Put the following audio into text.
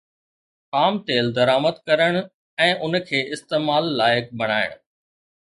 خام تيل درآمد ڪرڻ ۽ ان کي استعمال لائق بڻائڻ